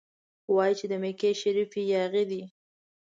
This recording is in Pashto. وايي چې د مکې شریف یاغي دی.